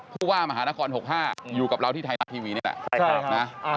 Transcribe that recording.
ผู้ว่ามหานคร๖๕อยู่กับเราที่ไทยรัฐทีวีนี่แหละ